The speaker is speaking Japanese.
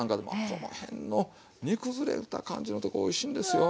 この辺の煮崩れた感じのとこおいしいんですよ。